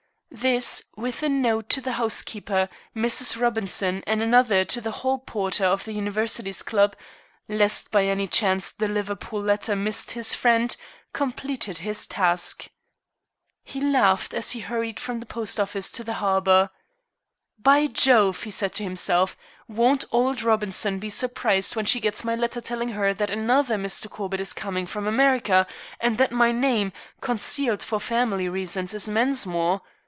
This, with a note to the housekeeper, Mrs. Robinson, and another to the hall porter of the Universities Club, lest by any chance the Liverpool letter missed his friend, completed his task. He laughed as he hurried from the post office to the harbor. "By Jove!" he said to himself, "won't old Robinson be surprised when she gets my letter telling her that another Mr. Corbett is coming from America, and that my name, concealed for family reasons, is Mensmore.